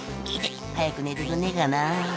「早く寝てくんねえかな」